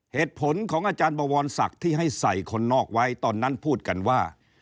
เหตุผลของอาจารย์บวรศักดิ์ที่ให้ใส่คนนอกไว้ตอนนั้นพูดกันว่า